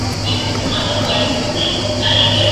Residente en Nápoles, tuvo una hija con un empresario local.